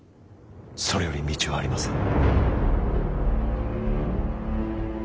それより道はありません。